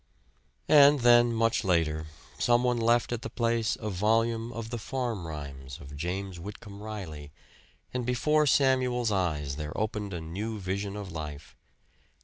And then, much later, some one left at the place a volume of the "Farm Rhymes" of James Whitcomb Riley; and before Samuel's eyes there opened a new vision of life.